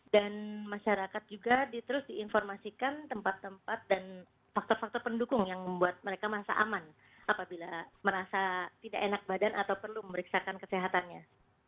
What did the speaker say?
dan masyarakat juga di terus diinformasikan tempat tempat dan faktor faktor pendukung yang membuat mereka masa aman apabila merasa tidak enak badan atau perlu memeriksakan kesehatannya